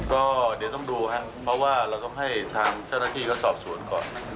ก็เดี๋ยวต้องดูครับเพราะว่าเราต้องให้ทางเจ้าหน้าที่เขาสอบสวนก่อน